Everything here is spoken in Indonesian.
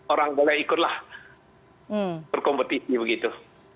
orang boleh ikutlah berkompetisi begitu